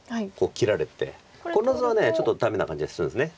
この図はちょっとダメな感じがするんです。